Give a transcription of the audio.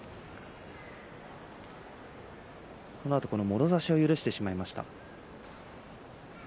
もろ差しを許してしまいました。